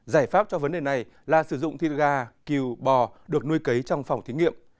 giải pháp cho vấn đề này là sử dụng thịt gà cừu bò được nuôi cấy trong phòng thí nghiệm